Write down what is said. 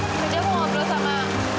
sebenernya aku ngobrol sama